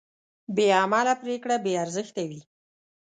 بېعمله پرېکړه بېارزښته وي.